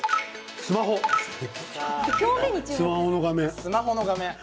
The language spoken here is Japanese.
スマホの画面。